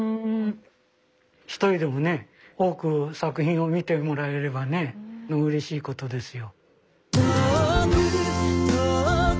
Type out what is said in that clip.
一人でもね多く作品を見てもらえればねうれしいことですよ。